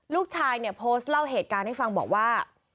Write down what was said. ลูกชายเนี่ยโพสต์เล่าเหตุการณ์ให้ฟังบอกว่า